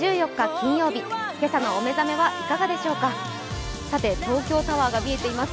金曜日、今朝のお目覚めいかがでしょうか東京タワーが見えています。